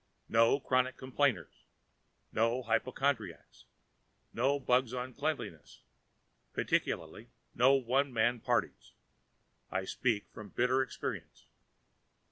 No chronic complainers, no hypochondriacs, no bugs on cleanliness particularly no one man parties. I speak from bitter experience.